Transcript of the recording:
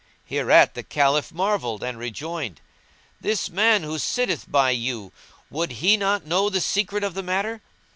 Hereat the Caliph marvelled and rejoined, "This man who sitteth by you, would he not know the secret of the matter?"